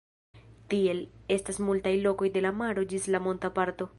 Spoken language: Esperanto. Tiel, estas multaj lokoj de la maro ĝis la monta parto.